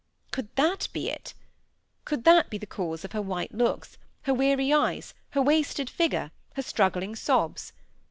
Could that be it? Could that be the cause of her white looks, her weary eyes, her wasted figure, her struggling sobs?